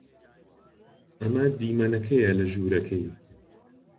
ئەمە دیمەنەکەیە لە ژوورەکەی.